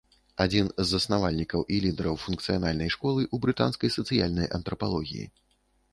Адзін з заснавальнікаў і лідараў функцыянальнай школы ў брытанскай сацыяльнай антрапалогіі.